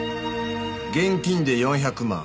現金で４００万。